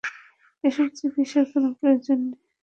এসব চিকিৎসার কোনো প্রয়োজন নেই।